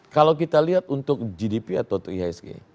kalau kita lihat untuk gdp atau untuk ihsg